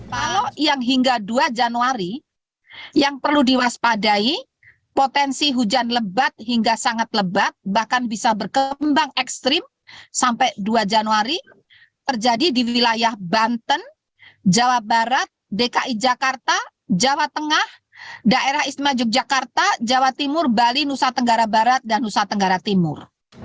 kalau yang hingga dua januari yang perlu diwaspadai potensi hujan lebat hingga sangat lebat bahkan bisa berkembang ekstrim sampai dua januari terjadi di wilayah banten jawa barat dki jakarta jawa tengah daerah istimewa yogyakarta jawa timur bali nusa tenggara barat dan nusa tenggara timur